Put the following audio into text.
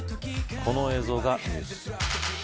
この映像がニュース。